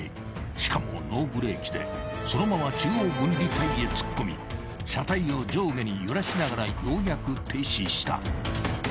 ［しかもノーブレーキでそのまま中央分離帯へ突っ込み車体を上下に揺らしながらようやく停止した］